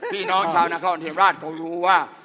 พี่น้องชาวนครเทียมราชเขารู้ว่า